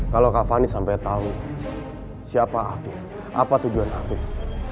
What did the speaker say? kalau kak fani sampai tahu siapa afif apa tujuan afif